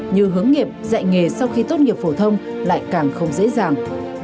như hướng nghiệp dạy nghề sau khi tốt nghiệp phổ thông lại càng không dễ dàng